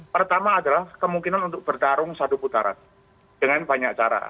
pertama adalah kemungkinan untuk bertarung satu putaran dengan banyak cara